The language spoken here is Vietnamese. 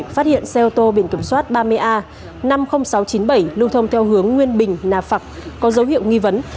phát hiện xe ô tô biển kiểm soát ba mươi a năm mươi nghìn sáu trăm chín mươi bảy lưu thông theo hướng nguyên bình nà phạc có dấu hiệu nghi vấn